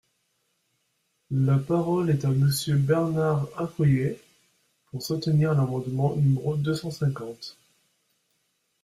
La parole est à Monsieur Bernard Accoyer, pour soutenir l’amendement numéro deux cent cinquante.